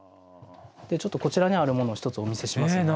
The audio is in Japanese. ちょっとこちらにあるものを一つお見せしますね。